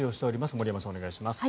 森山さん、お願いします。